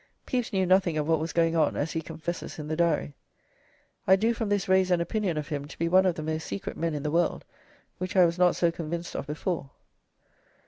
Pepys knew nothing of what was going on, as he confesses in the Diary: "I do from this raise an opinion of him, to be one of the most secret men in the world, which I was not so convinced of before."